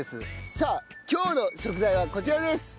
さあ今日の食材はこちらです。